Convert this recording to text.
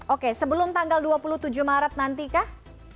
oke sebelum tanggal dua puluh tujuh maret nanti kah